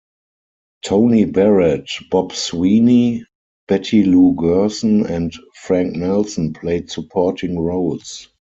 Tony Barrett, Bob Sweeney, Betty Lou Gerson, and Frank Nelson played supporting roles.